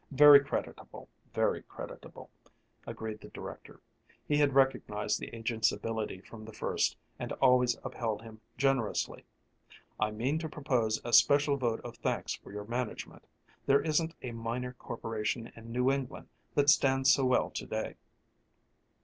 "Very creditable, very creditable," agreed the director; he had recognized the agent's ability from the first and always upheld him generously. "I mean to propose a special vote of thanks for your management. There isn't a minor corporation in New England that stands so well to day."